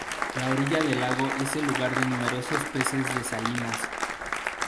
La orilla del lago es el hogar de numerosos peces y de salinas.